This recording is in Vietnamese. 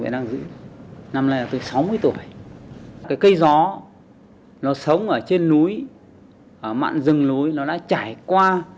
vẫn đang giữ năm nay là tôi sáu mươi tuổi cái cây gió nó sống ở trên núi ở mạng rừng núi nó đã trải qua